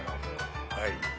はい。